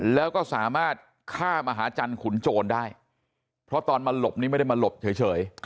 แล้วก็สามารถฆ่ามหาจันทร์ขุนโจรได้เพราะตอนมาหลบนี้ไม่ได้มาหลบเฉย